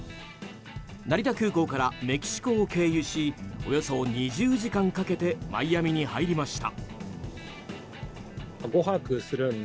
成田空港からメキシコを経由しおよそ２０時間かけてマイアミに入りました。